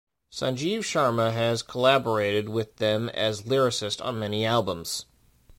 Sanjeev Sharma has collaborated with them as lyricist on many Albums.